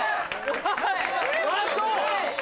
あぁそう。